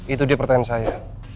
itu dia pertanyaan saya